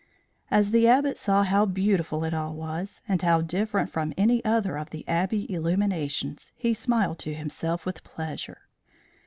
As the Abbot saw how beautiful it all was, and how different from any other of the Abbey illuminations, he smiled to himself with pleasure.